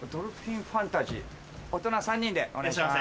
大人３人でお願いします。